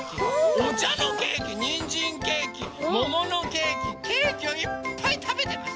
おちゃのケーキにんじんケーキもものケーキケーキをいっぱいたべてます。